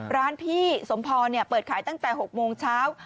ร้านพี่สมพรเปิดขายตั้งแต่๖โมงเช้า